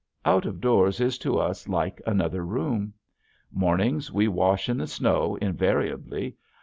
Out of doors is to us like another room. Mornings we wash in the snow, invariably.